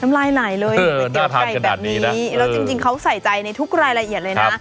น้ำลายไหล่เลยเดี๋ยวไก่แบบนี้แล้วจริงจริงเขาใส่ใจในทุกรายละเอียดเลยน่ะ